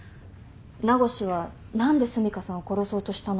名越は何で澄香さんを殺そうとしたのか。